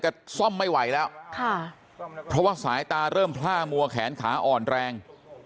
ซ่อมไม่ไหวแล้วค่ะเพราะว่าสายตาเริ่มพล่ามัวแขนขาอ่อนแรง